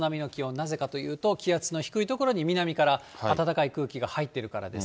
なぜかというと、気圧の低い所に南から暖かい空気が入ってるからです。